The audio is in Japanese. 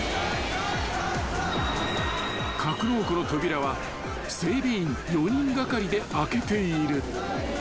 ［格納庫の扉は整備員４人がかりで開けている］